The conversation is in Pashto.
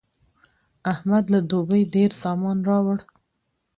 احمد له دوبۍ ډېر سامان راوړ.